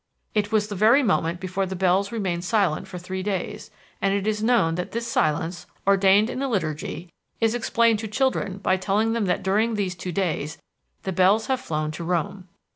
It was the very moment before the bells remain silent for three days, and it is known that this silence, ordained in the liturgy, is explained to children by telling them that during these two days the bells have flown to Rome.